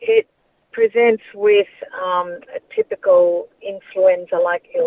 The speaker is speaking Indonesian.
ia berkembang dengan vaksin influenza yang tipikal